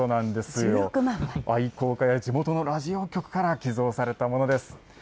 愛好家や地元のラジオ局から寄贈されたものです。